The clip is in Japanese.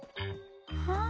はあ？